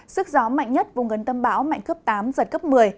sức gió mạnh nhất vùng gần tâm bão mạnh cấp tám giật cấp một mươi